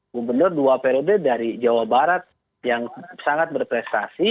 gubernur dua periode dari jawa barat yang sangat berprestasi